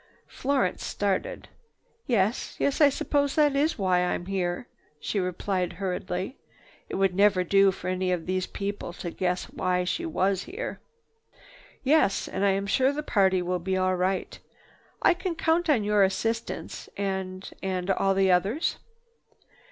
Florence started. "Yes, yes, I suppose that is why I'm here," she replied hurriedly. It would never do for any of these people to guess why she was here. "Yes. And I am sure the party will be all right. I can count on your assistance and—and all the others?"